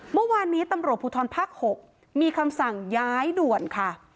เมื่อวานนี้ตำรกผุทธรดิ์ภาคหกมีคำสั่งย้ายด่วนค่ะ